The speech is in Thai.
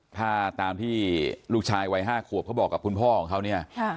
ถ้าตามที่ลูกชายวัย๕ขวบเขาบอกกับคุณพ่อของเขาเนี่ย